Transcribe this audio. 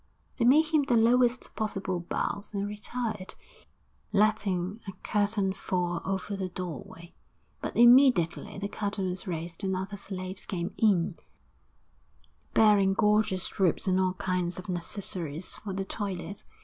They made him the lowest possible bows and retired, letting a curtain fall over the doorway. But immediately the curtain was raised and other slaves came in, bearing gorgeous robes and all kinds of necessaries for the toilet.